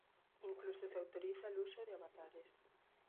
Incluso se autoriza el uso de avatares.